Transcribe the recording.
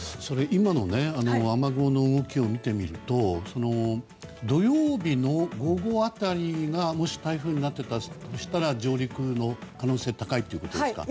今の雨雲の動きを見てみると土曜日の午後辺りがもし台風になってたとしたら上陸の可能性が高いということですか。